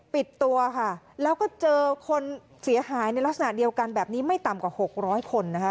ปิดตัวค่ะแล้วก็เจอคนเสียหายในลักษณะเดียวกันแบบนี้ไม่ต่ำกว่าหกร้อยคนนะคะ